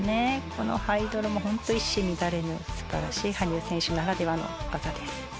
このハイドロも本当一糸乱れぬ素晴らしい羽生選手ならではの技です。